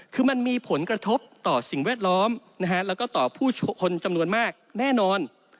คือมันมีผลกระทบต่อสิ่งแวดล้อมแล้วก็ต่อผู้คนจำนวนมากแน่นอน